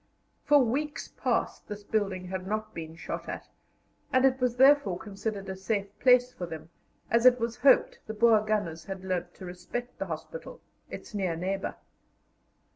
For weeks past this building had not been shot at, and it was therefore considered a safe place for them, as it was hoped the Boer gunners had learned to respect the hospital, its near neighbour.